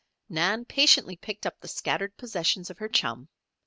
Nan patiently picked up the scattered possessions of her chum.